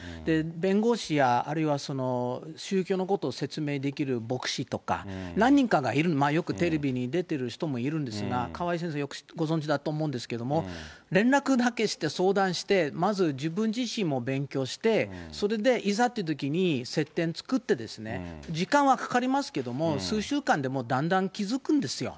弁護士やあるいは宗教のことを説明できる牧師とか、何人かがいる、よくテレビに出ている人もいるんですが、川井先生、よくご存じだと思うんですけども、連絡だけして、相談して、まず自分自身も勉強して、それでいざっていうときに接点作って、時間はかかりますけれども、数週間でもだんだん気付くんですよ。